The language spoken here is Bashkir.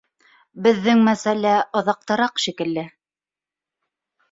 — Беҙҙең мәсьәлә аҙаҡтараҡ шикелле